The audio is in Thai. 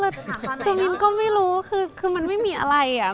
คือมิ้นก็ไม่รู้คือมันไม่มีอะไรอ่ะ